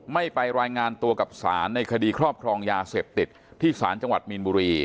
ไม่ไปรายงานตัวกับศาลในคดีครอบครองยาเสพติดที่ศาลจังหวัดมีนบุรี